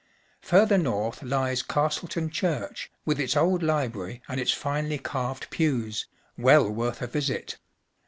Further north lies Castleton Church, with its old library and its finely carved pews, well worth a visit.